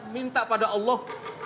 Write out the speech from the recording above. minta pada allah